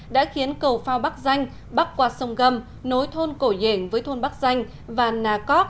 đã khiến cầu phao bắc danh bắt qua sông gầm nối thôn cổ yển với thôn bắc danh và nà cóc